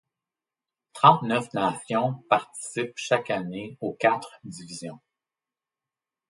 Trente-neuf nations participent chaque année aux quatre divisions.